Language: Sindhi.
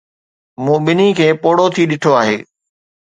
مون ٻنهي کي پوڙهو ٿي ڏٺو آهي.